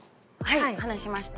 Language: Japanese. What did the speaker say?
はい話しました。